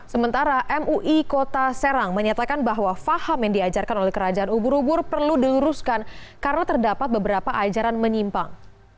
sementara mui kota serang menyatakan bahwa faham yang diajarkan oleh kerajaan ubur ubur perlu diluruskan karena terdapat beberapa ajaran menyimpang